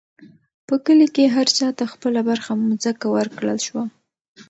په کلي کې هر چا ته خپله برخه مځکه ورکړل شوه.